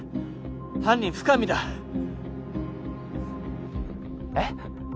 犯人深水だえっ？